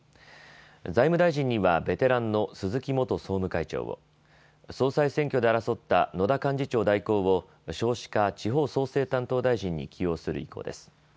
財務大臣にはベテランの鈴木元総務会長を、総裁選挙で争った野田幹事長代行を少子化・地方創生担当大臣に起用する意向です。